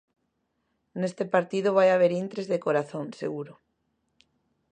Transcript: Neste partido vai haber intres de corazón, seguro.